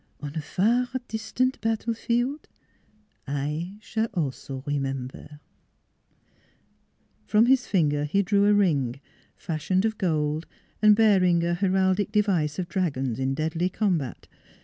On far distant battlefield I s'all also remembaire." From his finger he drew a ring, fashioned of gold and bearing a heraldic devise of dragons in deadly combat.